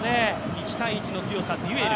１−１の強さ、デュエル。